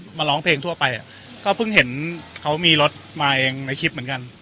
มาร้องเพลงทั่วไปอ่ะก็เพิ่งเห็นเขามีรถมาเองในคลิปเหมือนกัน